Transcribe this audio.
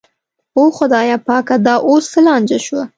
او خدایه پاکه دا اوس څه لانجه شوه.